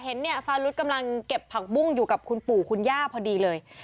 เห็นเนี่ยฟารุธกำลังเก็บผักบุ้งอยู่กับคุณปู่คุณย่าพอดีเลย